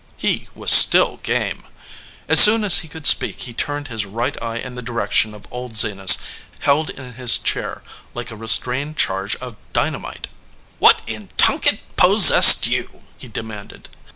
He was still game. As soon as he could speak he turned his right eye in the di rection of old Zenas, held in his chair like a re strained charge of dynamite "What in tunket possessed you?" he demanded.